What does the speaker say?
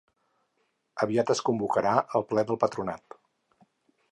Aviat es convocarà el ple del patronat.